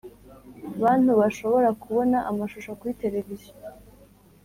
bantu bashobora kubona amashusho kuri television